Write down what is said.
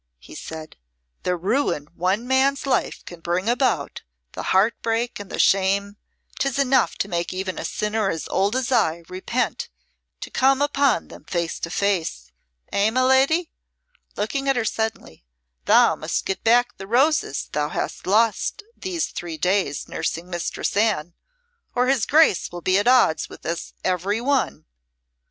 he said, "the ruin one man's life can bring about, the heartbreak, and the shame! 'Tis enough to make even a sinner as old as I, repent, to come upon them face to face. Eh, my lady?" looking at her suddenly, "thou must get back the roses thou hast lost these three days nursing Mistress Anne, or his Grace will be at odds with us every one."